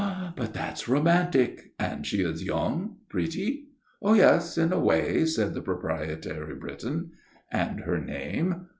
"But that's romantic! And she is young, pretty?" "Oh, yes; in a way," said the proprietary Briton. "And her name?"